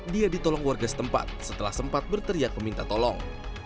dia ditolong warga setempat setelah sempat berteriak meminta tolong